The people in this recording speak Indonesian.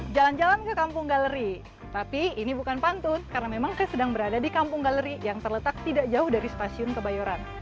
jalan jalan ke kampung galeri tapi ini bukan pantun karena memang saya sedang berada di kampung galeri yang terletak tidak jauh dari stasiun kebayoran